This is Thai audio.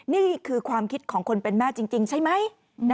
นี่คือความคิดของคนเป็นแม่จริงใช่ไหม